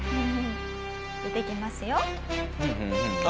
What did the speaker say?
出てきますよ。